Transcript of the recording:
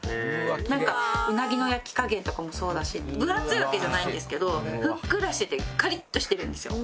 なんか鰻の焼き加減とかもそうだし分厚いわけじゃないんですけどふっくらしててカリッとしてるんですよ。